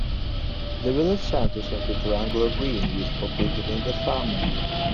The village centres on a triangular green used for cricket in the summer.